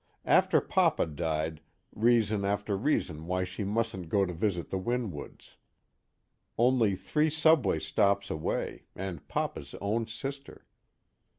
After Papa died, reason after reason why she mustn't go visit the Winwoods. Only three subway stops away, and Papa's own sister.